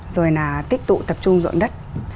rồi là tiếp tục tập trung dọn đất